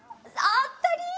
あったり！